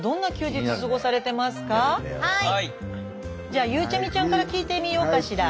じゃあゆうちゃみちゃんから聞いてみようかしら。